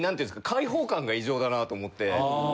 開放感が異常だなと思って。